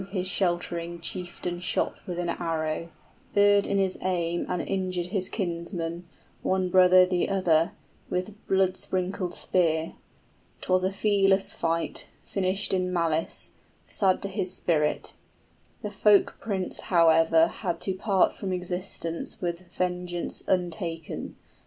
} His sheltering chieftain shot with an arrow, Erred in his aim and injured his kinsman, One brother the other, with blood sprinkled spear: {No fee could compound for such a calamity.} 'Twas a feeless fight, finished in malice, 50 Sad to his spirit; the folk prince however Had to part from existence with vengeance untaken.